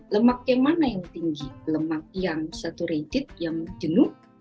lemak yang mana yang tinggi lemak yang satu radit yang jenuh